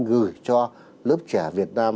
gửi cho lớp trẻ việt nam